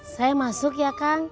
saya masuk ya kang